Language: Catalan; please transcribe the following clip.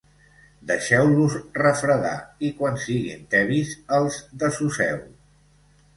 Deixeu-los refredar i quan siguin tebis els desosseu.